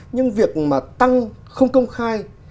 nhưng việc mà tăng không công khai